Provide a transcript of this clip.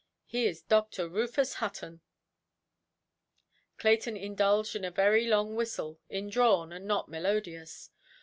"He is Doctor Rufus Hutton". Clayton indulged in a very long whistle, indrawn, and not melodious.